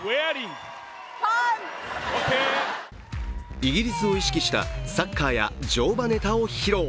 イギリスを意識した、サッカーや乗馬ネタを披露。